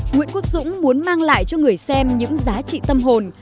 nguyễn quốc dũng muốn mang lại cho người xem những giá trị tâm hồn